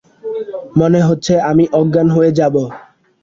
মনে হচ্ছে আমি অজ্ঞান হয়ে যাব।